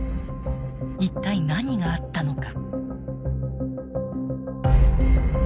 一体何があったのか。